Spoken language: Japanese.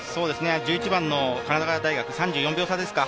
１１番の神奈川大学、３４秒差ですか。